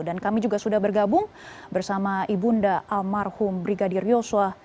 dan kami juga sudah bergabung bersama ibu nda almarhum brigadir yosua